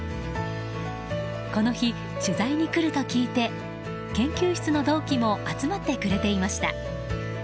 この日、取材に来ると聞いて研究室の同期も集まってくれていました。